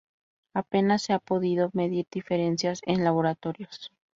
Apenas se han podido medir diferencias en laboratorio.